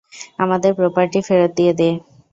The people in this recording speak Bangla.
আমাদের প্রোপার্টি ফেরত দিয়ে দে।